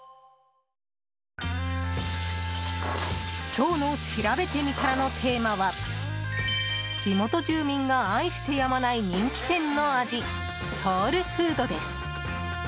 今日のしらべてみたらのテーマは地元住民が愛してやまない人気店の味、ソウルフードです。